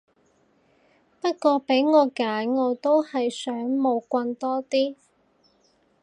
不過俾我揀我都係想冇棍多啲